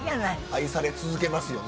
愛され続けますよね。